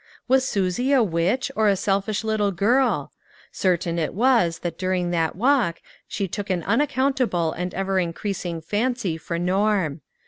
Was Susie a witch, or a selfish little girl? Certain it was that during that walk she took an unaccounta ble and ever increasing fancy for Norm.